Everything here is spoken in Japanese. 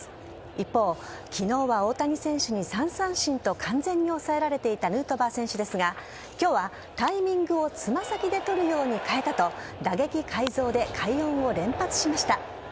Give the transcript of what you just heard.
一方、昨日は大谷選手に３三振と完全に抑えられていたヌートバー選手ですが今日はタイミングをつま先でとるように変えたと打撃改造で快音を連発しました。